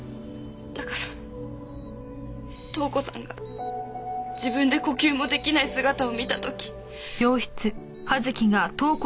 だから塔子さんが自分で呼吸も出来ない姿を見た時。